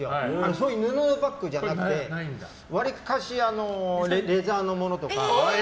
そういう布のバッグじゃなくて割かしレザーのものとか。